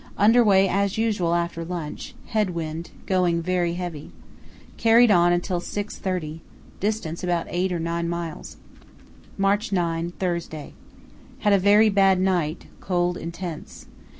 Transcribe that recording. Under way as usual after lunch; head wind, going very heavy. Carried on until 6.30. Distance about eight or nine miles. "March 9, Thursday.—Had a very bad night, cold intense.